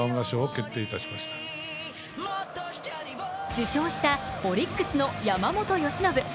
受賞したオリックスの山本由伸。